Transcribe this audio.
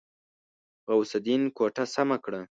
غوث الدين کوټه سمه کړه.